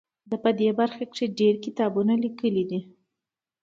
ده په دې برخه کې ډیر کتابونه لیکلي دي.